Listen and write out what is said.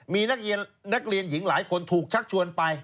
มีนักเรียนหญิงหลายคนถูกชักชวนไป